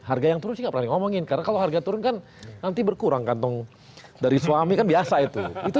harga yang turun sih nggak pernah diomongin karena kalau harga turun kan nanti berkurang kantong dari suami kan biasa itu